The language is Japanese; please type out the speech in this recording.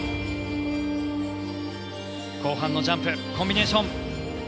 後半のジャンプコンビネーション。